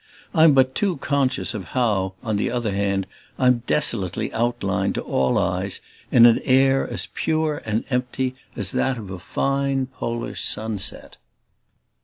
I'm but too conscious of how, on the other hand, I'm desolately outlined to all eyes, in an air as pure and empty as that of a fine Polar sunset.